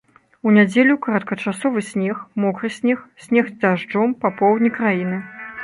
У нядзелю кароткачасовы снег, мокры снег, снег з дажджом па поўдні краіны.